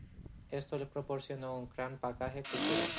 Esto le proporcionó un gran bagaje cultural.